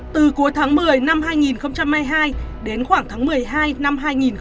từ cuối tháng một mươi năm hai nghìn hai mươi hai đến khoảng tháng một mươi hai năm hai nghìn hai mươi